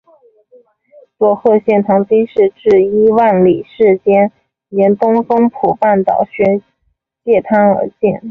佐贺县唐津市至伊万里市间沿东松浦半岛玄界滩而建。